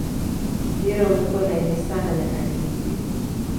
mpira umekua laini sana nyakati hizi